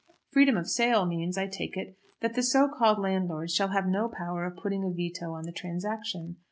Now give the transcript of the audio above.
Freedom of sale means, I take it, that the so called landlord shall have no power of putting a veto on the transaction.